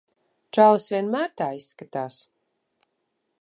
Čalis vienmēr tā izskatās.